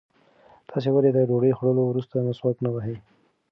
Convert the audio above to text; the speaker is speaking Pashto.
تاسې ولې د ډوډۍ خوړلو وروسته مسواک نه وهئ؟